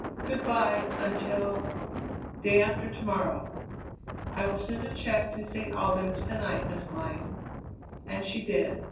Good bye until " "Day after to morrow." "I will send a check to St. Albans to night, Miss Glynn." And she did.